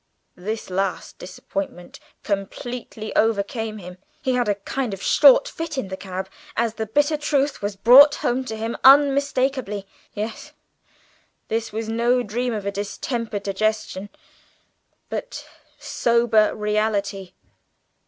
This last disappointment completely overcame him; he had a kind of short fit in the cab as the bitter truth was brought home to him unmistakably. Yes, this was no dream of a distempered digestion, but sober reality.